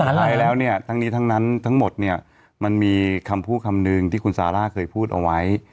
ท้ายแล้วเนี่ยทั้งนี้ทั้งนั้นทั้งหมดเนี่ยมันมีคำพูดคำหนึ่งที่คุณซาร่าเคยพูดเอาไว้